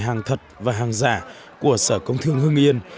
hàng thật và hàng giả của sở công thương hương yên